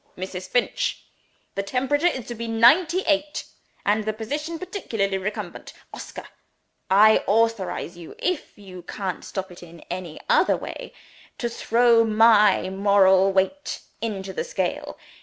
Mrs. Finch! the temperature is to be ninety eight, and the position partially recumbent. Oscar! I authorize you (if you can't stop it in any other way) to throw My moral weight into the scale.